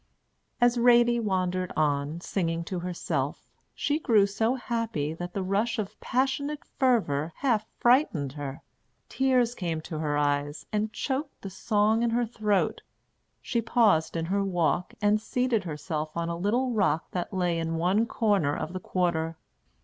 As Ratie wandered on, singing to herself, she grew so happy that the rush of passionate fervor half frightened her. Tears came to her eyes, and choked the song in her throat. She paused in her walk, and seated herself on a little rock that lay in one corner of the quarter.